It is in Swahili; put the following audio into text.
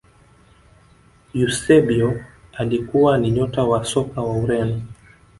eusebio alikuwa ni nyota wa soka wa ureno